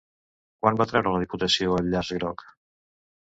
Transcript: Quan va treure la Diputació el llaç groc?